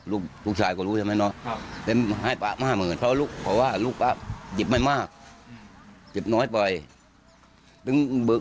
ลูกชายก็รู้ใช่ไหมเนอะให้ป่า๕๐๐๐๐บาทเพราะว่าลูกป่าจิบไม่มากจิบน้อยไป